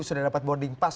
sudah dapat boarding pass